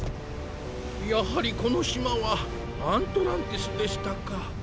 やはりこのしまはアントランティスでしたか。